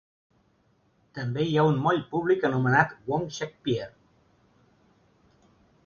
També hi ha un moll públic anomenat Wong Shek Pier.